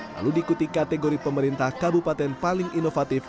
lalu diikuti kategori pemerintah kabupaten paling inovatif